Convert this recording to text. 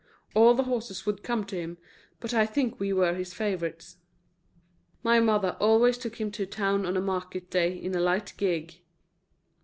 All the horses would come to him, but I think we were his favorites. My mother always took him to town on a market day in a light gig.